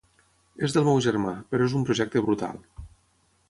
És del meu germà, però és un projecte brutal.